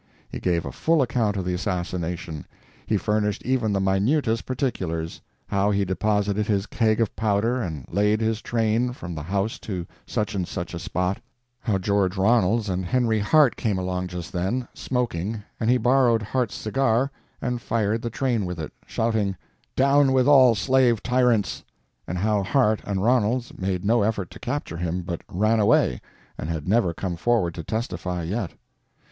He gave a full account of the assassination; he furnished even the minutest particulars: how he deposited his keg of powder and laid his train—from the house to such and such a spot; how George Ronalds and Henry Hart came along just then, smoking, and he borrowed Hart's cigar and fired the train with it, shouting, "Down with all slave tyrants!" and how Hart and Ronalds made no effort to capture him, but ran away, and had never come forward to testify yet.